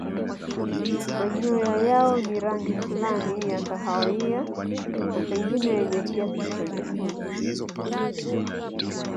Manyoya yao ni rangi fulani ya kahawia na pengine yenye kiasi cha nyekundu.